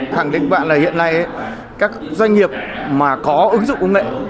khẳng định bạn là hiện nay các doanh nghiệp mà có ứng dụng công nghệ